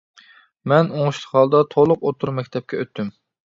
مەن ئوڭۇشلۇق ھالدا تولۇق ئوتتۇرا مەكتەپكە ئۆتتۈم.